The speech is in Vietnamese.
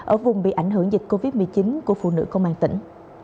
ở vùng bị ảnh hưởng dịch covid một mươi chín của phụ nữ công an tỉnh